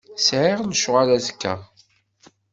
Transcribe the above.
Sɛiɣ lecɣal azekka.